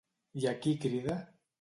I a qui crida?